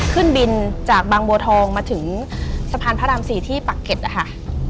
ขึ้นบินจากบางบัวทองมาถึงสะพานพระราม๔ที่ปักเก็ตนะคะ